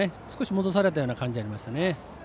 少し戻された感じがありましたね。